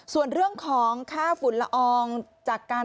ส่วนเรื่องของค่าฝุ่นละอองจากการ